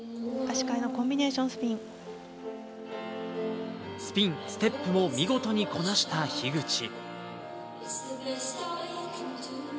足替えのコンビネーションススピン、ステップを見事にこなした樋口。